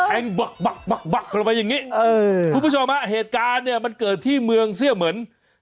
แอ้งบักบักบักบักเข้ามาอย่างนี้คุณผู้ชมเหตุการณ์เนี่ยมันเกิดที่เมืองเสื่อเหมือน